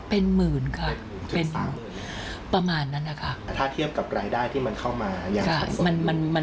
เป็นหมื่นทุกนิดกันนะคะประมาณนั้นค่ะ